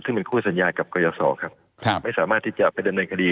ซึ่งเป็นคู่สัญญากับกรยศรครับไม่สามารถที่จะไปดำเนินคดี